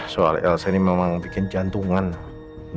soal elsa ini memang bikin jantungan